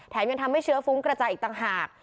ยังทำให้เชื้อฟุ้งกระจายอีกต่างหาก